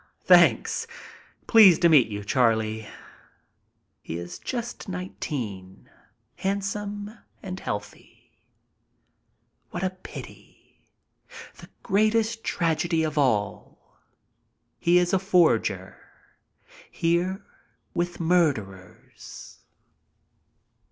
"Thanks. Pleased to meet you, Charlie." He is just nineteen, handsome and healthy. What a pity. The greatest tragedy of all. He is a forger, here with mur derers.